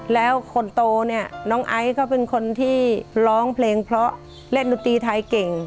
แล้วคนโตเนี่ยน้องไอซ์ก็เป็นคนที่ร้องเพลงเพราะเล่นดนตรีไทยเก่ง